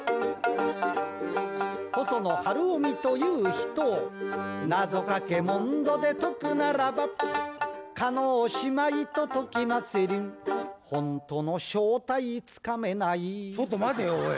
細野晴臣という人をなぞかけ問答で解くならば叶姉妹と解きまする本当の正体つかめないちょっと待てよおい。